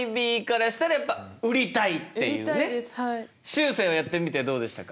しゅうせいはやってみてどうでしたか？